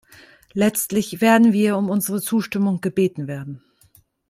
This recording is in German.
Letztlich werden wir um unsere Zustimmung gebeten werden.